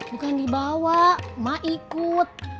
bukan dibawa emak ikut